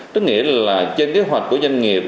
tức nghĩa là trên kế hoạch của doanh nghiệp